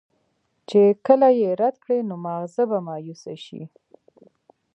چې کله ئې رد کړي نو مازغۀ به مايوسه شي